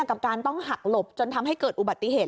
กับการต้องหักหลบจนทำให้เกิดอุบัติเหตุ